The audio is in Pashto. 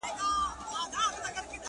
چي یو زه وای یوه ته وای؛